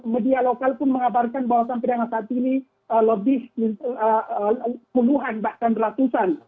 media lokal pun mengabarkan bahwa sampai dengan saat ini lebih puluhan bahkan ratusan